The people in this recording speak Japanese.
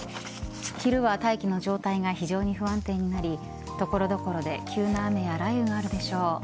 昼は大気の状態が非常に不安定になり所々で急な雨や雷雨があるでしょう。